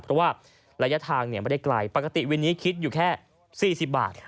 เพราะว่าระยะทางไม่ได้ไกลปกติวินนี้คิดอยู่แค่๔๐บาท